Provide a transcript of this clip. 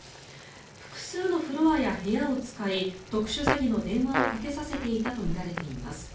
複数のフロアや部屋を使い特殊詐欺の電話をかけさせていたとみられています。